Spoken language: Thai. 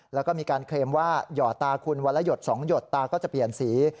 แล้วก็มีการเคลมว่าหยอดตาคุณวันละหยด๒หยดตาก็จะเปลี่ยนสี